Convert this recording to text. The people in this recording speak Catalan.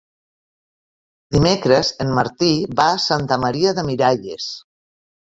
Dimecres en Martí va a Santa Maria de Miralles.